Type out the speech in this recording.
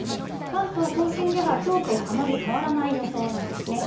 関東甲信ではきょうとあまり変わらない予想なんですね。